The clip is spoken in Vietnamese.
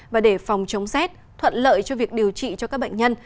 và để phòng chống rét thuận lợi cho việc điều trị cho các bệnh nhân